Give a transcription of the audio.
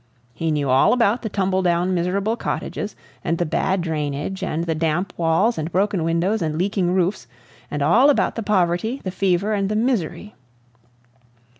He knew all about the tumble down, miserable cottages, and the bad drainage, and the damp walls and broken windows and leaking roofs, and all about the poverty, the fever, and the misery.